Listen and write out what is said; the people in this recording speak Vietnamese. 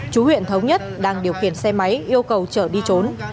chú huyện thống nhất đang điều khiển xe máy yêu cầu trở đi trốn